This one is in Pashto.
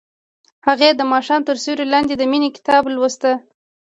هغې د ماښام تر سیوري لاندې د مینې کتاب ولوست.